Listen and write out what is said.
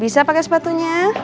bisa pakai sepatunya